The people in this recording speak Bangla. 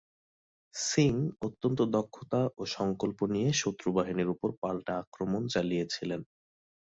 সিং অত্যন্ত দক্ষতা ও সংকল্প নিয়ে শত্রু বাহিনীর উপর পাল্টা আক্রমণ চালিয়েছিলেন।